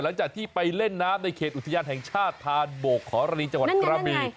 หลังจากที่ไปเล่นน้ำในเขตอุทยานแห่งชาติธานโบกขอรีจังหวัดกระบี